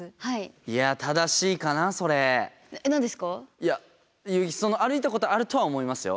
いや歩いたことあるとは思いますよ。